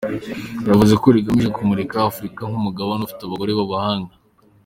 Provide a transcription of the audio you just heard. Yavuze ko rigamije kumurika Afurika nk’Umugabane ufite abagore b’abahanga.